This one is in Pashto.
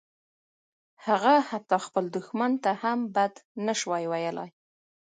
هغه حتی خپل دښمن ته هم بد نشوای ویلای